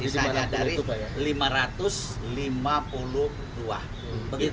sisa dari lima ratus lima puluh dua